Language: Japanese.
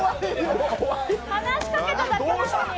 話しかけただけなのに！